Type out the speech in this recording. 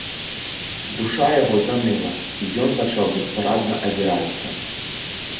Душа яго заныла, і ён пачаў беспарадна азірацца.